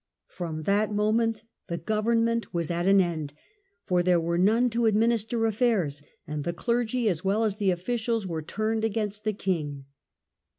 From that moment the government was at an end, for there were none to administer affairs, and the clergy as well as the officials were turned against the king.